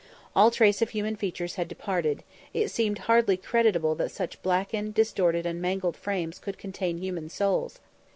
All trace of human features had departed; it seemed hardly credible that such blackened, distorted, and mangled frames could contain human souls.